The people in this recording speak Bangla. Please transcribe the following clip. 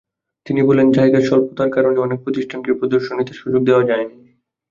তিনি বলেন, জায়গার স্বল্পতার কারণে অনেক প্রতিষ্ঠানকে প্রদর্শনীতে সুযোগ দেওয়া যায়নি।